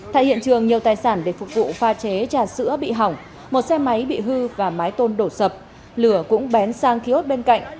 tại hiện trường nhiều tài sản để phục vụ pha chế trà sữa bị hỏng một xe máy bị hư và mái tôn đổ sập lửa cũng bén sang kiosk bên cạnh